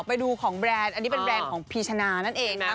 ไปดูของแบรนด์อันนี้เป็นแบรนด์ของพีชนานั่นเองนะครับ